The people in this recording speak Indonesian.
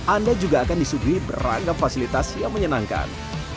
anda juga akan disuguhi beragam fasilitas yang menyenangkan